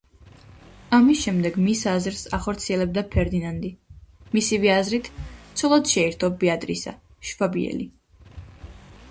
ამის შემდეგ მის აზრს ახორციელებდა ფერდინანდი, მისივე აზრით ცოლად შეირთო ბეატრისა შვაბიელი.